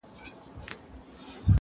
په کټ کټ به یې په داسي زور خندله!